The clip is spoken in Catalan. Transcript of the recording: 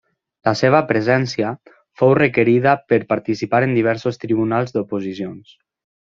La seva presència fou requerida per participar en diversos tribunals d’oposicions.